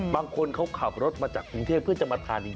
บางคนเขาขับรถมาจากกรุงเทพเพื่อจะมาทานจริง